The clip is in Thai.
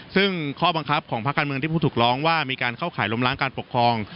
ซึ่งข้อบังคับของภาคการเมืองที่ผู้ถูกร้องว่ามีการเข้าข่ายล้มล้างการปกครอง